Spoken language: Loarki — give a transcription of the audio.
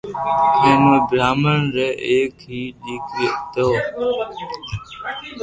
ھين او براھامن ار ايڪ ھي دآڪرو ھتو